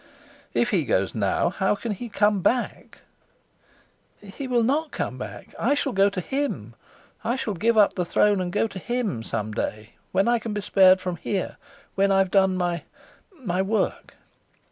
"If he goes now, how can he come back?" "He will not come back; I shall go to him. I shall give up the throne and go to him, some day, when I can be spared from here, when I've done my my work."